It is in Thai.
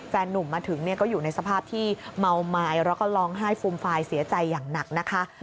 นุ่มมาถึงก็อยู่ในสภาพที่เมาไม้แล้วก็ร้องไห้ฟูมฟายเสียใจอย่างหนักนะคะ